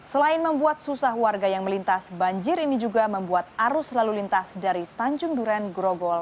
selain membuat susah warga yang melintas banjir ini juga membuat arus lalu lintas dari tanjung duren grogol